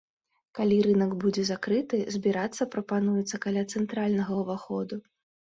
Калі рынак будзе закрыты, збірацца прапануецца каля цэнтральнага ўваходу.